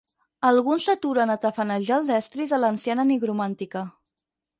Alguns s'aturen a tafanejar els estris de l'anciana nigromàntica.